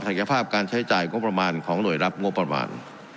ยภาพการใช้จ่ายงบประมาณของหน่วยรับงบประมาณ